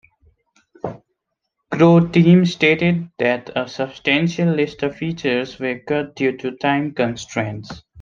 Croteam stated that a substantial list of features were cut due to time constraints.